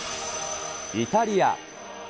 イタリア。